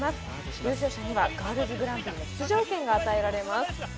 優勝者にはガールズグランプリに出場権が与えられます。